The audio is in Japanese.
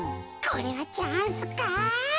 これはチャンスか？